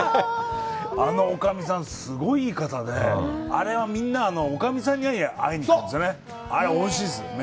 あのおかみさん、すごいいい方で、あれは、みんな、おかみさんに会いにいくんですよね。